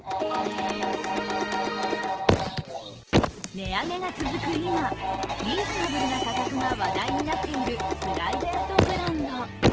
値上げが続く今、リーズナブルな価格が話題になっているプライベートブランド。